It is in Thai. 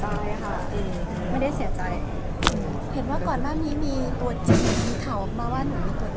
ตอนนี้มีตัวจริงมีข่าวออกมาว่าเหมือนมีตัวจริงแล้วมีไปหรือยัง